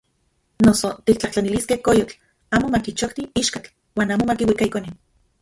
Noso tiktlajtlaniliskej koyotl amo makichokti ichkatl uan amo makiuika ikone.